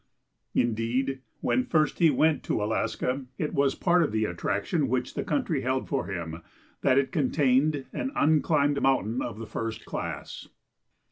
Indeed, when first he went to Alaska it was part of the attraction which the country held for him that it contained an unclimbed mountain of the first class.